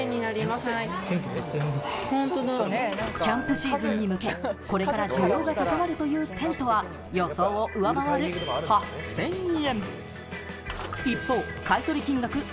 キャンプシーズンに向け、これから需要が高まるというテントは予想を上回る８０００円。